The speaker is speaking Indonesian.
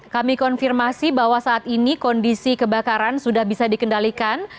kami konfirmasi bahwa saat ini kondisi kebakaran sudah bisa dikendalikan